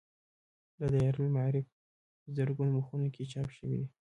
دا دایرة المعارف په زرګونو مخونو کې چاپ شوی دی.